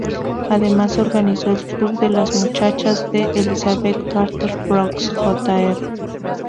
Además organizó el club de las muchachas de Elizabeth Carter Brooks Jr.